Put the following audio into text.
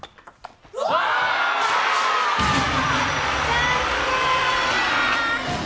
残念！